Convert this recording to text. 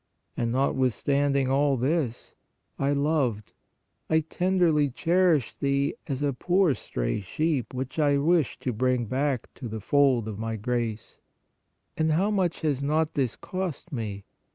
And notwithstand ing all this, I loved, I tenderly cherished thee as a poor stray sheep which I wished to bring back to the fold of My grace. And how much has not this cost Me?